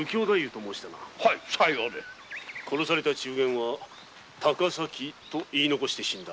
殺された中間は「高崎」と言い残して死んだ。